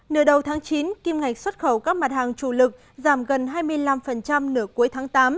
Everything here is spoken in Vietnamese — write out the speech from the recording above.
nửa đầu tháng chín kim ngạch xuất khẩu các mặt hàng chủ lực giảm gần hai mươi năm nửa cuối tháng tám